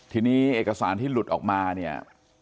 ทีนี้เอกสารที่หลุดออกมาเนี่ย